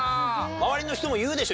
周りの人も言うでしょ。